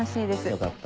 よかった。